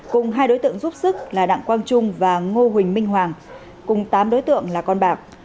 cùng hai đối tượng giúp sức là đặng quang trung và ngô huỳnh minh hoàng cùng tám đối tượng là con bạc